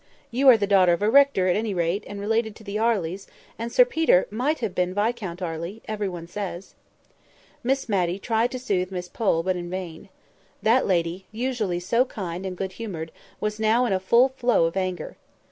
You are the daughter of a rector, at any rate, and related to the Arleys; and Sir Peter might have been Viscount Arley, every one says." Miss Matty tried to soothe Miss Pole, but in vain. That lady, usually so kind and good humoured, was now in a full flow of anger.